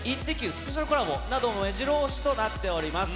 スペシャルコラボなど、めじろ押しとなっております。